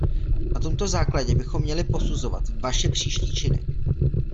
Na tomto základě bychom měli posuzovat vaše příští činy.